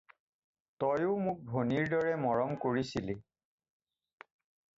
তইও মোক ভনীৰ দৰে মৰম কৰিছিলি।